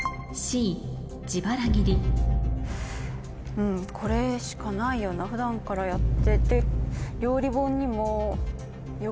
うんこれしかないよな普段からやってて。